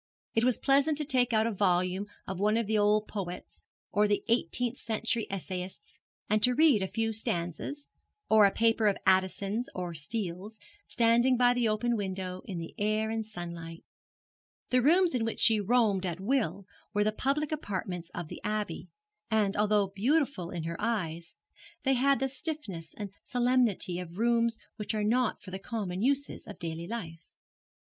It was pleasant to take out a volume of one of the old poets, or the eighteenth century essayists, and to read a few stanzas, or a paper of Addison's or Steele's, standing by the open window in the air and sunlight. The rooms in which she roamed at will were the public apartments of the Abbey, and, although beautiful in her eyes, they had the stiffness and solemnity of rooms which are not for the common uses of daily life.